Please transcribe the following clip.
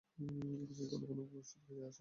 উপস্থিতের প্রলোভনে ভবিষ্যৎ খুইয়ে বসে।